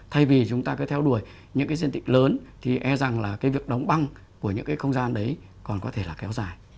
thay vì chúng ta cứ theo đuổi những cái diện tích lớn thì e rằng là cái việc đóng băng của những cái không gian đấy còn có thể là kéo dài